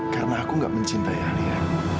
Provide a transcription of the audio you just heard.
karena aku nggak mencintai alia